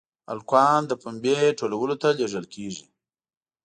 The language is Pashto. هلکان د پنبې ټولولو ته لېږل کېږي.